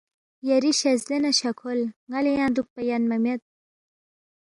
یری شزدے نہ شہ کھول ن٘ا لہ ینگ دُوکپا یَنما مید